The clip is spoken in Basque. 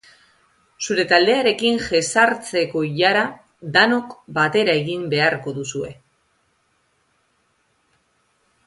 Zure taldearekin jesartzeko ilara danok batera egin beharko duzue.